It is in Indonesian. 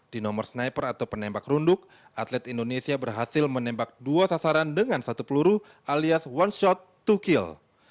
di nomor sniper atau penembak runduk atlet indonesia berhasil menembak dua sasaran dengan satu peluru alias one shot to kill